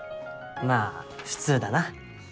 まぁ普通だな。